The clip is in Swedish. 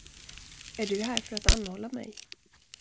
Är du här för att anhålla mig?